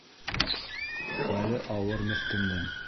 Хәле ауыр меҫкендең!